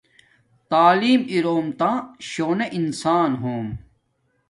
تعلیم اروم تا شونے انسان ہوم